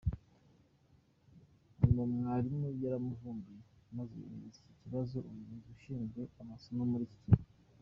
Nyuma Mwalimu yaramuvumbuye maze yoherereza iki kibazo Umuyobozi ushinzwe amasomo muri iki kigo.